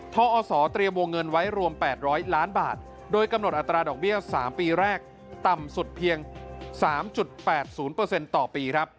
ทอศเตรียมวงเงินไว้รวม๘๐๐ล้านบาทโดยกำหนดอัตราดอกเบี้ย๓ปีแรกต่ำสุดเพียง๓๘๐ต่อปีครับ